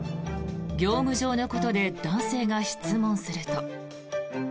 業務上のことで男性が質問すると。